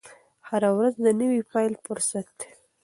هره ورځ د نوي پیل فرصت دی.